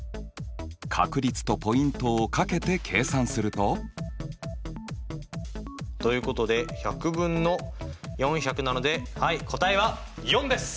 確率とポイントを掛けて計算すると。ということで１００分の４００なので答えは４です！